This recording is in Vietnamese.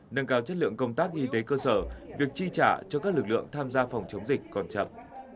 nâng cao chất lượng công tác y tế cơ sở việc chi trả cho các lực lượng tham gia phòng chống dịch còn chậm